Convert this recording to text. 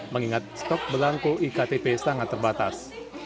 mengingat stok belangko iktp sangat terbatas